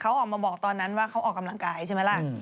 เขาออกมาบอกตอนนั้นว่าเขาออกกำลังกายใช่ไหมล่ะ